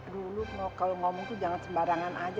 dulu no kalo ngomong tuh jangan sembarangan aja